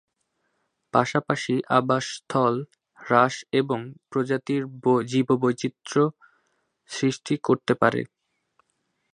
পাশাপাশি আবাসস্থল হ্রাস এবং প্রজাতির জীববৈচিত্র্য সৃষ্টি করতে পারে।